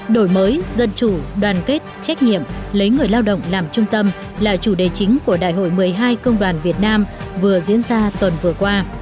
đổi mới dân chủ đoàn kết trách nhiệm lấy người lao động làm trung tâm là chủ đề chính của đại hội một mươi hai công đoàn việt nam vừa diễn ra tuần vừa qua